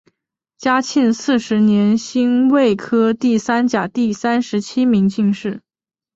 嘉靖四十年辛未科第三甲第三十七名进士。